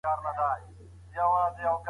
که ټاپه نیمه ړنګه وي ماشین یې پوره کوي.